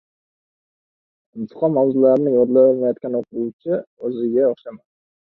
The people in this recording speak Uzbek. – imtihon mavzularini yodlay olmayotgan o‘quvchi o'ziga o'xshamas;